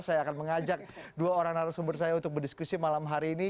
saya akan mengajak dua orang narasumber saya untuk berdiskusi malam hari ini